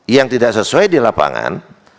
yang tidak sesuai di lapangan